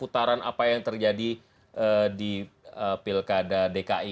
putaran apa yang terjadi di pilkada dki